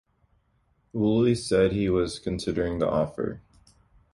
Woolley said he was considering the offer.